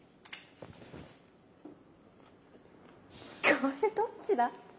これどっちだ？